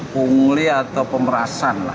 pungli atau pemerasan